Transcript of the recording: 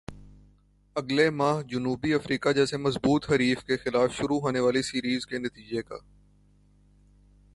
اگلے ماہ جنوبی افریقہ جیسے مضبوط حریف کے خلاف شروع ہونے والی سیریز کے نتیجے کا